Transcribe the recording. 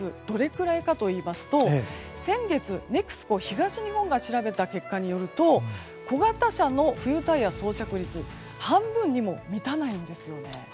どれくらいかといいますと先月、ＮＥＸＣＯ東日本が調べた結果によると小型車の冬タイヤ装着率半分にも満たないんです。